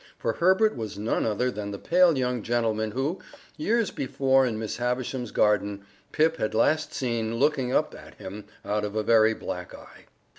For Herbert was none other than the pale young gentleman who, years before in Miss Havisham's garden, Pip had last seen looking up at him out of a very black eye.